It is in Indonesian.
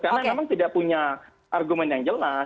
karena memang tidak punya argumen yang jelas